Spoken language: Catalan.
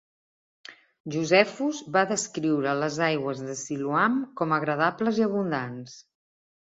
Josephus va descriure les aigües de Siloam com agradables i abundants.